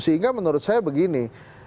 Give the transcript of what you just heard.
sehingga menurut saya begini